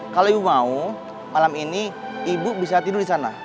kalau ibu mau malam ini ibu bisa tidur di sana